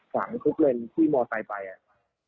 ฝังทุกเลนที่มอร์ไซค์ไป